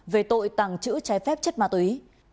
về tội tàng trữ trái phép chất ma túy